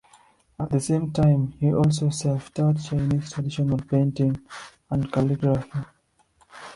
At the same time he also self-taught Chinese Traditional Painting and calligraphy.